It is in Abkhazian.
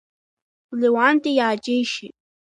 Леуанти иааџьеишьеит.